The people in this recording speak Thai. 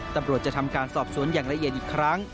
ตำรวจจะทำการสอบสวนอย่างละเอียดอีกครั้ง